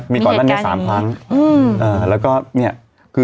มีเกาะนั้นแค่๓ครั้ง